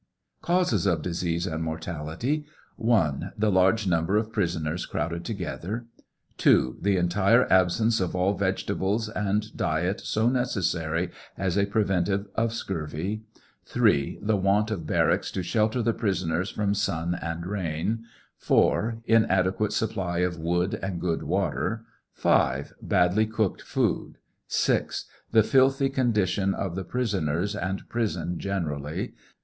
CAUSES OP DISEASE AND MORTALITY. J. The large number of prisoners crowded together. 2. The entire absence of all vegetables and diet so necessary as a preventive of scurvy. 3. The vrant of barracks to shelter the prisoners from sun and rain. 4. Inadequate supply of wood and good water. 5. Badly cooked food. 6. The filthy condition of the prisoners and prison generally.